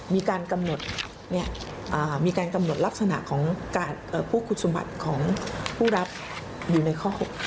มีการกำหนดลักษณะของผู้คุดสมบัติของผู้รับอยู่ในข้อ๖